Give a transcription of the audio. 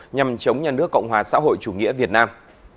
nhằm chống nhà nước cộng hòa xã hội chủ nghĩa việt nam